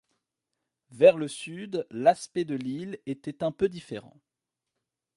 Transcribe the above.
Vers le sud, l’aspect de l’île était un peu différent.